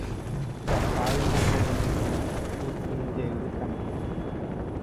Japáymake lo mitã, pytũjeýtama.